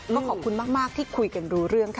ก็ขอบคุณมากที่คุยกันรู้เรื่องค่ะ